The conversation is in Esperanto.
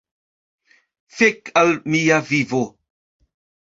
Fek al mia vivo!